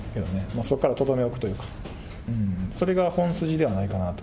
そこから留め置くというか、それが本筋ではないかなと。